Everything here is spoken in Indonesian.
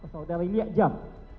saudara lihat jam